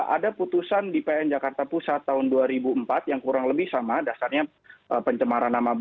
ada putusan di pn jakarta pusat tahun dua ribu empat yang kurang lebih sama